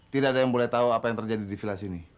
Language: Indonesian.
tidak ada yang boleh tahu apa yang terjadi di vilas ini